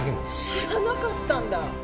知らなかったんだ。